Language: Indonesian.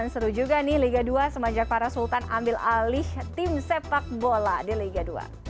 seru juga nih liga dua semenjak para sultan ambil alih tim sepak bola di liga dua